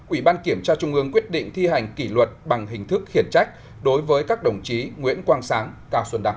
ủy ban kiểm tra trung ương quyết định thi hành kỷ luật bằng hình thức khiển trách đối với các đồng chí nguyễn quang sáng cao xuân đăng